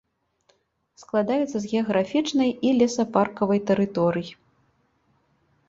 Складаецца з геаграфічнай і лесапаркавай тэрыторый.